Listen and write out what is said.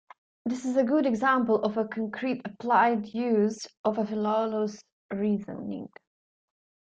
This is a good example of a concrete applied use of Philolaus' reasoning.